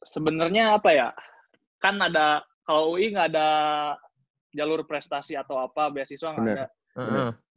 sebenarnya apa ya kan ada kalau ui nggak ada jalur prestasi atau apa beasiswa nggak ada